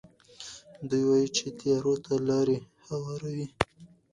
دوی وايي چې تیارو ته لارې هواروي.